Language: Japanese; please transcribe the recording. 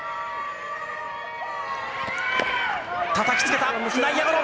たたきつけた内野ゴロ！